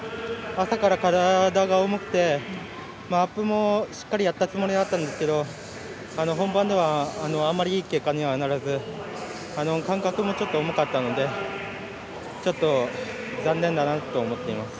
朝から体が重くてアップもしっかりやったつもりだったんですけど本番ではあまりいい結果にはならず感覚もちょっと重かったのでちょっと残念だなと思っています。